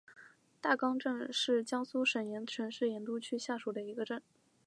大冈镇是江苏省盐城市盐都区下属的一个镇。